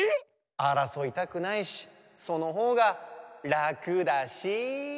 ・あらそいたくないしそのほうがらくだし。